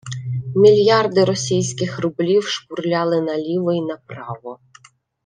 Мільярди російських рублів шпурлялися наліво й направо